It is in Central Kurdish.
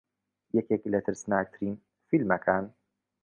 یەکێک لە ترسناکترین فیلمەکان